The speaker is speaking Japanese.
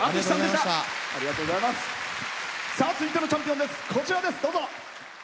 続いてのチャンピオンです。